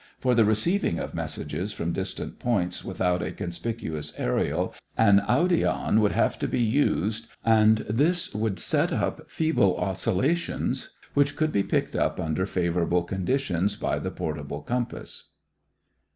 For the receiving of messages from distant points without a conspicuous aërial an audion would have to be used and this would set up feeble oscillations which could be picked up under favorable conditions by the portable compass.